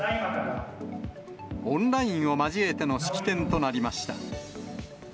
オンラインを交えての式典となりました。